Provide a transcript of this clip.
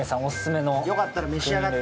よかったら召し上がって。